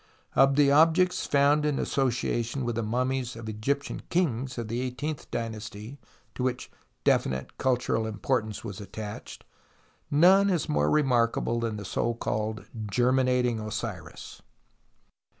Of the objects found in association with the mummies of Egyptian kings of the eighteenth dynasty to which definite cultural importance was attached, none is more remarkable than the so called "germinating Osiris."